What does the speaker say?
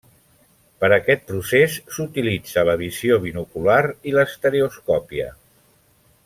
Per aquest procés s'utilitza la visió binocular i l'estereoscòpia.